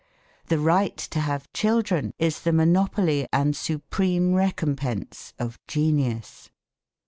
The right to have children is the monopoly and supreme recompense of genius.